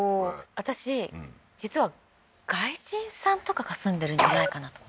私、実は外人さんとかが住んでるんじゃないかなと。